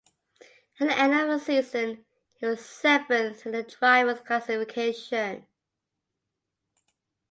At the end of the season he was seventh in the Drivers' Classification.